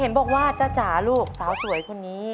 เห็นบอกว่าจ้าจ๋าลูกสาวสวยคนนี้